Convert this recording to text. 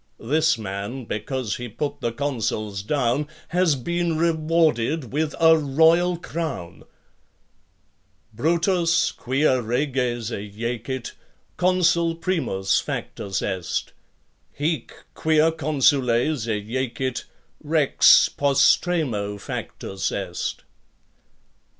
This man, because he put the consuls down, Has been rewarded with a royal crown. Brutus, quia reges ejecit, consul primus factus est: Hic, quia consules ejecit, rex postremo factus est.